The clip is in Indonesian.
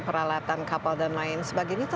peralatan kapal dan lain sebagainya